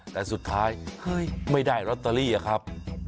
แต่สุดท้ายไม่ได้ลอตเตอรี่อะครับ